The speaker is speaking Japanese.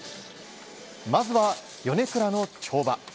まずは米倉の跳馬。